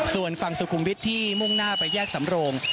ส่วนฝั่งสุขุมวิทย์ที่มุ่งหน้าไปแยกสำโรง